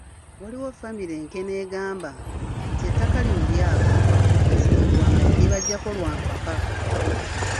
Waliyo famire e Nkene egamba nti ettaka lino lyabwe nga Kasirye Gwanga yalibaggyako lwa mpaka.